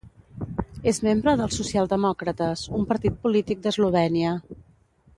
És membre dels Socialdemòcrates, un partit polític d'Eslovènia.